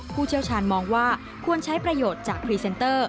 ผู้เชี่ยวชาญมองว่าควรใช้ประโยชน์จากพรีเซนเตอร์